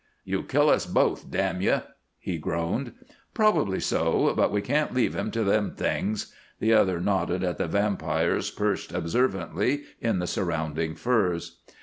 "You'll kill us both, damn ye!" he groaned. "Probably so, but we can't leave him to them things." The other nodded at the vampires perched observantly in the surrounding firs.